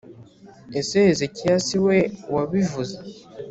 Ese Hezekiya si we wabivuze